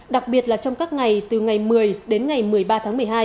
đặc biệt là trong các ngày từ ngày một mươi đến ngày một mươi ba tháng một mươi hai